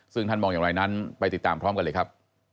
ซึ่งท่านมองอย่างไรนั้นไปติดตามพร้อมกันเลยครับ